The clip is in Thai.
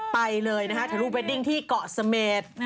ไปเลยนะฮะทะลุไปดิ้งที่เกาะเสม็ด